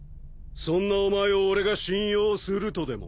そんなお前を俺が信用するとでも？